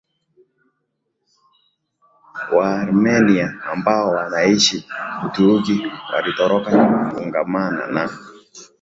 Waarmenia ambao wanaoishi Uturuki walitoroka kufungamana na